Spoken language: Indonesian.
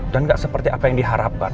dan gak seperti apa yang diharapkan